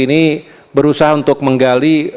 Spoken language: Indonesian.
ini berusaha untuk menggali